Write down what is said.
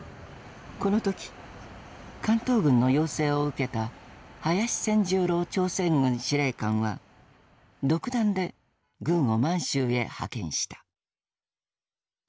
この時関東軍の要請を受けた林銑十郎朝鮮軍司令官は独断で軍を満州へ派遣した。